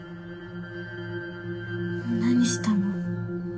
何したの？